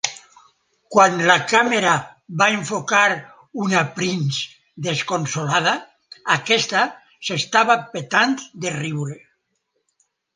Quan la càmera va enfocar una Prinz "desconsolada", aquesta s'estava petant de riure.